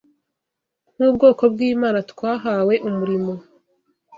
Nk’ubwoko bw’Imana, twahawe umurimo